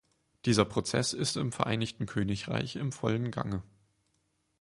Dieser Prozess ist im Vereinigten Königreich in vollem Gange.